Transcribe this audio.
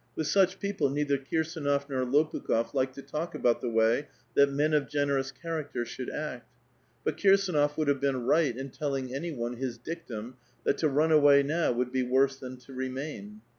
With sucb people neither Kirsdnof nor Lopukb6f liked to talk about tbe way that men of generous cbaracter should act. But Kirsdnof would have been right in telling any one bis dictum that to run away now would be worse than to remain.